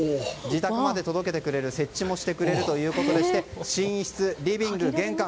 自宅まで届けてくれる設置もしてくれるということでして寝室、リビング、玄関